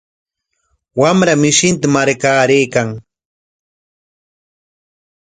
Wamra mishinta marqaraykan.